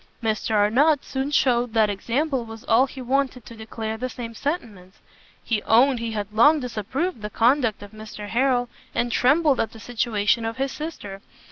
Mr Arnott soon shewed that example was all he wanted to declare the same sentiments. He owned he had long disapproved the conduct of Mr Harrel, and trembled at the situation of his sister.